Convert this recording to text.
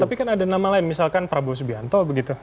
tapi kan ada nama lain misalkan prabowo subianto begitu